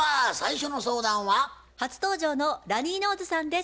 初登場のラニーノーズさんです。